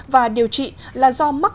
và điều trị là do mắc